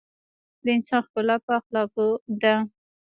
د انسان ښکلا په اخلاقو ده.